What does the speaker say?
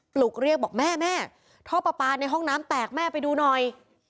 ปลุกเรียกบอกแม่แม่ท่อปลาปลาในห้องน้ำแตกแม่ไปดูหน่อย